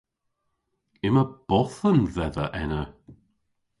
Yma bothen dhedha ena.